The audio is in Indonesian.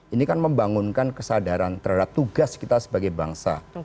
ini kan membangunkan kesadaran terhadap tugas kita sebagai bangsa